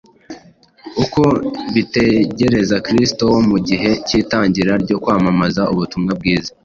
Uko bitegereza Kristo wo mu gihe cy’itangira ryo kwamamaza ubutumwa bwiza